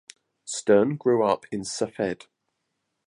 Stern grew up in Safed.